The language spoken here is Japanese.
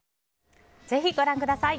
ぜひご覧ください。